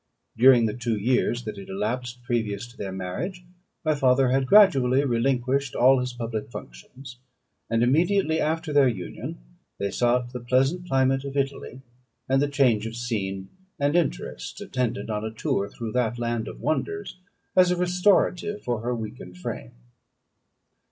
During the two years that had elapsed previous to their marriage my father had gradually relinquished all his public functions; and immediately after their union they sought the pleasant climate of Italy, and the change of scene and interest attendant on a tour through that land of wonders, as a restorative for her weakened frame.